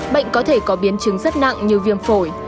bệnh có thể có biến chứng rất nặng như viêm phổi